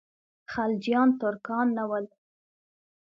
خلجیان ترکان نه ول.